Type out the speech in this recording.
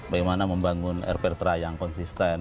bagaimana membangun r pertra yang konsisten